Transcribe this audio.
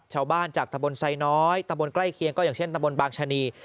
ชาวบ้านจากตะบนไซน้อยตะบนใกล้เคียงก็อย่างเช่นตะบนบางชะนี